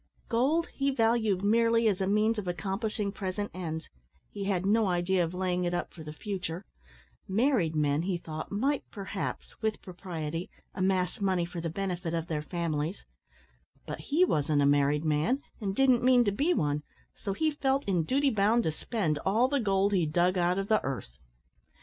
Gold he valued merely as a means of accomplishing present ends; he had no idea of laying it up for the future; married men, he thought, might, perhaps, with propriety, amass money for the benefit of their families, but he wasn't a married man, and didn't mean to be one, so he felt in duty bound to spend all the gold he dug out of the earth.